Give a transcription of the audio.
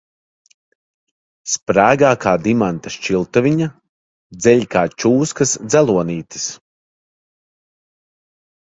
Sprēgā kā dimanta šķiltaviņa, dzeļ kā čūskas dzelonītis.